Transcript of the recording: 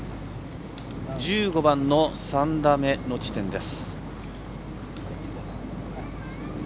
１５番の３打目の地点です。